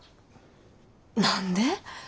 何で。